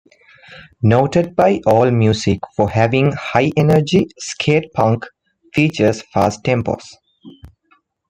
Noted by AllMusic for having "high-energy", skate punk features fast tempos.